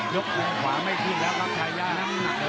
ยกขวาไม่ขึ้นแล้วครับทายา